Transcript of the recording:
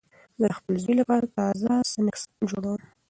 زه د خپل زوی لپاره تازه سنکس جوړوم.